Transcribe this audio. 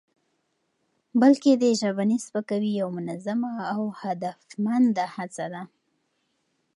بلکې د ژبني سپکاوي یوه منظمه او هدفمنده هڅه ده؛